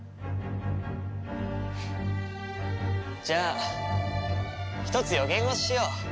じゃあ１つ予言をしよう。